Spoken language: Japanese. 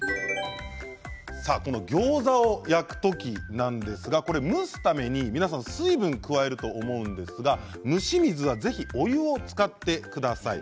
ギョーザを焼く時なんですがこれは蒸すために水分を皆さん加えると思うんですが蒸し水はぜひお湯を使ってください。